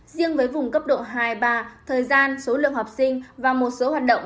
riêng với vùng cấp độ hai ba thời gian số lượng học sinh và một số hoạt động